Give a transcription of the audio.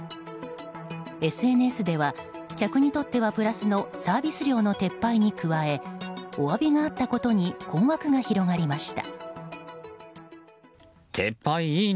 ＳＮＳでは、客にとってはプラスのサービス料の撤廃に加えお詫びがあったことに困惑が広がりました。